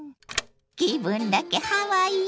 気分だけハワイよ。